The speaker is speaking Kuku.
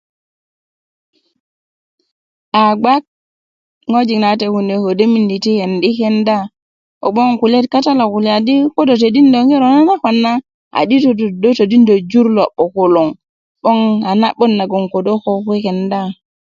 a gba ŋojik nawate kune ködö ti kendikenda kogboŋ kulyeet kata lo kulya di ko do todindö ŋiro nanakwan do todindö jur lo 'bukuluŋ 'boŋ a na'but naŋ ko kekenda